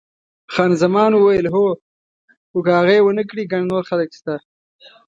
خان زمان وویل، هو، خو که هغه یې ونه کړي ګڼ نور خلک شته.